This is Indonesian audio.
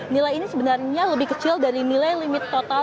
nilai ini sebenarnya lebih kecil dari nilai limit total